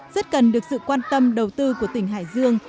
rất cần được sự quan tâm đầu tư của tỉnh hải dương